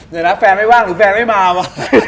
เดี๋ยวนะแฟนไม่ว่างหรือแฟนไม่มาว่ะ